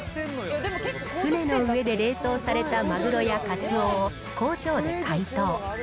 船の上で冷凍されたマグロやカツオを工場で解凍。